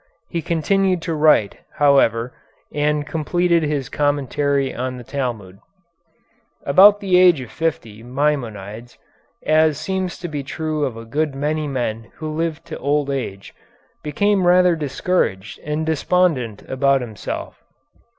He continued to write, however, and completed his commentary on the Talmud. About the age of fifty Maimonides, as seems to be true of a good many men who live to old age, became rather discouraged and despondent about himself.